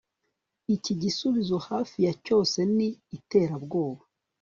Iki gisubizo hafi ya cyose ni iterabwoba